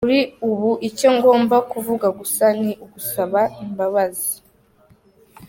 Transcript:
Kuri ubu icyo ngomba kuvuga gusa ni ugusaba imbabazi".